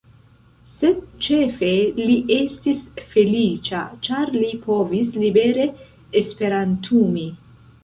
Sed ĉefe li estis feliĉa, ĉar li povis libere esperantumi.